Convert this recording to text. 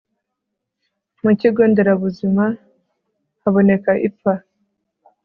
Mu kigo nderabuzima haboneka ipfa